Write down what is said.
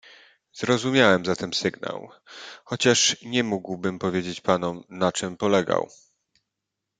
"Zrozumiałem zatem sygnał, chociaż nie mógłbym powiedzieć panom, na czem polegał."